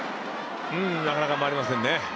なかなか回りませんね。